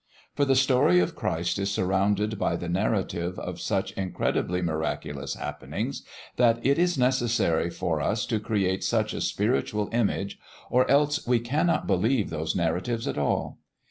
For the story of Christ is surrounded by the narrative of such incredibly miraculous happenings that it is necessary for us to create such a spiritual image, or else we cannot believe those narratives at all.